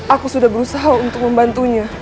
aku sudah berusaha untuk membantunya